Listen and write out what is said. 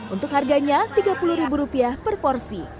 untuk harganya tiga puluh ribu rupiah per porsi